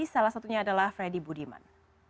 salah satunya adalah freddy budiman